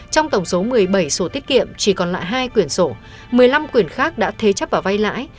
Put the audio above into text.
trong tổng số một mươi bảy sổ tiết kiệm chỉ còn lại hai quyển sổ một mươi năm quyển khác đã thế chấp và vay lãi